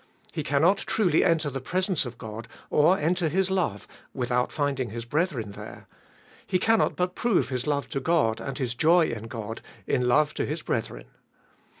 He cannot truly enter the presence of God or enter His love without finding his brethren there : he cannot but prove his love to God and his joy in God in love to his brethren.